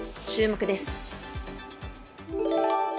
注目です。